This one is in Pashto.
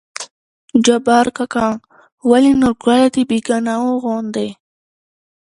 جبار کاکا: ولې نورګله د بيګانه وو غوندې